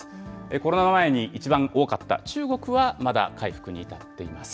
コロナ前にいちばん多かった中国はまだ回復に至っていません。